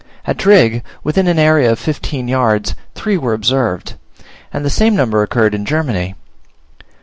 At Drigg, within an area of fifteen yards, three were observed, and the same number occurred in Germany.